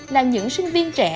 là những sinh viên trẻ